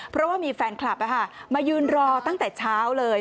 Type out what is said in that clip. เพราะว่ามีแฟนคลับมายืนรอตั้งแต่เช้าเลย